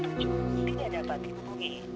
eh di bawah